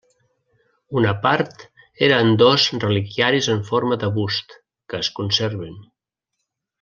Una part era en dos reliquiaris en forma de bust, que es conserven.